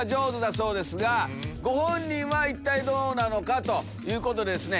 ご本人は一体どうなのかということでですね